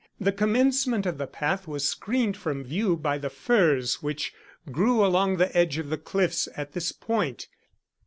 The commencement of the path was screened from view by the furze which grew along the edge of the cliffs at this point.